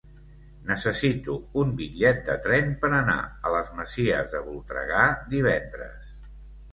Necessito un bitllet de tren per anar a les Masies de Voltregà divendres.